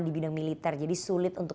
di bidang militer jadi sulit untuk